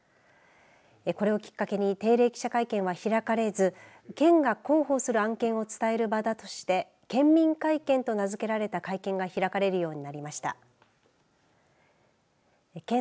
これをきっかけに定例記者会見は開かれず県が広報する案件を伝える場だとして県民会見と名付けられた会見が開かれるようになりました。